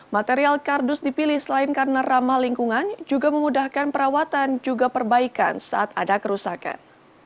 material kardus dipilih selain karena ramah lingkungan juga memudahkan perawatan juga perbaikan saat ada kerusakan